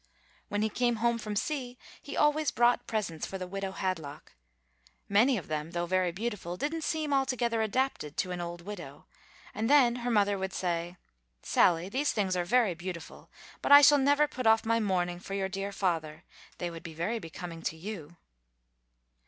When he came home from sea, he always brought presents for the widow Hadlock. Many of them, though very beautiful, didn't seem altogether adapted to an old widow; and then her mother would say, "Sally, these things are very beautiful, but I shall never put off my mourning for your dear father; they would be very becoming to you."